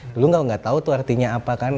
dulu kalau gak tau tuh artinya apa kan